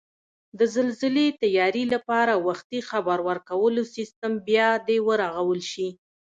د زلزلې تیاري لپاره وختي خبرکولو سیستم بیاد ورغول شي